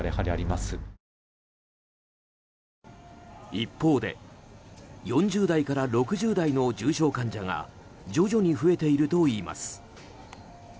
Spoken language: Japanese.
一方で４０代から６０代の重症患者が徐々に増えているといいます。